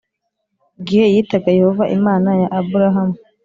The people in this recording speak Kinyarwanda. Igihe yitaga yehova imana ya aburahamu